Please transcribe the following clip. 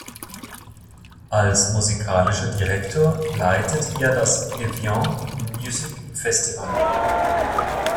Als musikalischer Direktor leitet er das "Evian Music Festival".